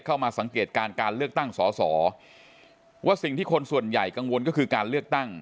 มาสังเกตการการเลือกตั้งสอสอว่าสิ่งที่คนส่วนใหญ่กังวลก็คือการเลือกตั้ง